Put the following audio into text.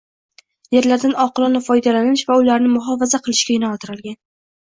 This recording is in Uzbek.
yerlardan oqilona foydalanish va ularni muhofaza qilishga yo'naltirilgan